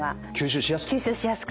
吸収しやすく。